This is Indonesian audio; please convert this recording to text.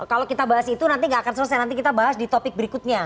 kalau kita bahas itu nanti nggak akan selesai nanti kita bahas di topik berikutnya